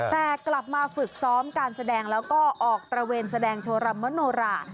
แต่กลับมาฝึกซ้อมการแสดงแล้วก็ออกตระเวนแสดงโชรมโนรา